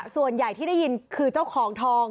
ส่วนใหญ่ที่ได้ยินคือเจ้าของทอง